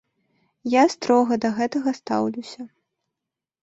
Я строга да гэтага стаўлюся.